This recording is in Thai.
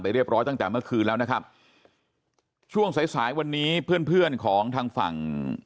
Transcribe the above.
เรียบร้อยตั้งแต่เมื่อคืนแล้วนะครับช่วงสายสายวันนี้เพื่อนเพื่อนของทางฝั่ง